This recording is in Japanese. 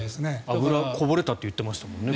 油、こぼれたと言ってましたもんね。